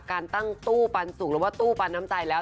การตั้งตู้ปันสูงหรือว่าตู้ปันน้ำใจแล้ว